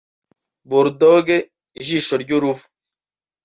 Bull Dogg (Ijisho ry’uruvu)